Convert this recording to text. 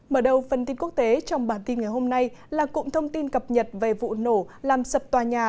mở đầu phần tin quốc tế trong bản tin ngày hôm nay là cụm thông tin cập nhật về vụ nổ làm sập tòa nhà